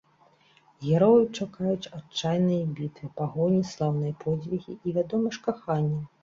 Герояў чакаюць адчайныя бітвы, пагоні, слаўныя подзвігі і, вядома ж, каханне.